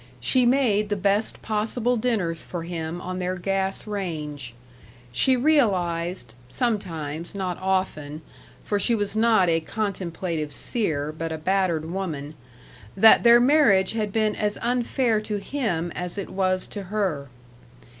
She made the best possible dinners for him on their gas range. She realized sometimes, not often, for she was not a contemplative seer, but a battered woman that their marriage had been as unfair to him as it was to her.